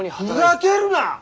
ふざけるな！